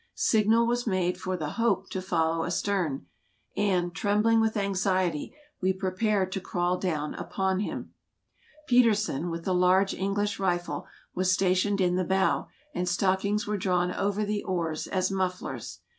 Signal was made for the " Hope " to follow astern, and, trembling with anxiety, we prepared to crawl down upon him. Petersen, with the large English rifle, was stationed in the bow and stockings were drawn over the oars as mufflers.